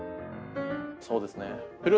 そうですね。